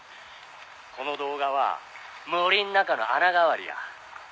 「この動画は森ん中の穴代わりや」